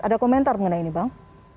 ada komentar mengenai ini bang